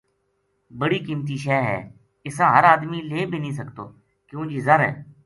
بڑی قیمتی شَے ہے اِساں ہر آدمی لیں بی نیہہ سکتو کیوں جی ذر ہے